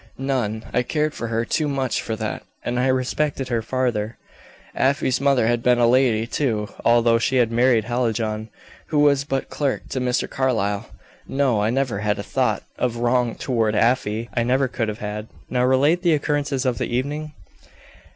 "None; I cared for her too much for that; and I respected her father. Afy's mother had been a lady, too, although she had married Hallijohn, who was but clerk to Mr. Carlyle. No; I never had a thought of wrong toward Afy I never could have had." "Now relate the occurrences of the evening?"